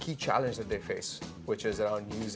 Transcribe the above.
kita menyadari bahwa ada keuntungan